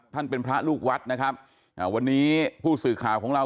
เป็นพระลูกวัดนะครับอ่าวันนี้ผู้สื่อข่าวของเรา